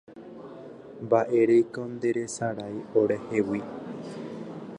Mba'éreiko nderesarái orehegui